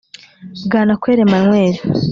Bwanakweli Emmanuel